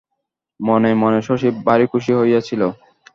মনে মনে শশী ভারি খুশি হইয়াছিল।